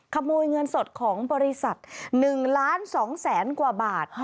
ขโมยเงินสดของบริษัท๑ล้าน๒แสนกว่าบาท